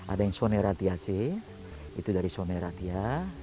ada yang soneratia itu dari soneratia